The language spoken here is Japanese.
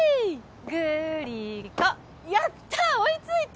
グ・リ・コやった追いついた！